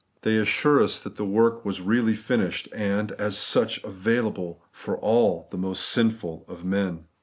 They assure us that the work was really finished, and, as such, available for the most sinful of men.